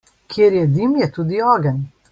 Kjer je dim, je tudi ogenj.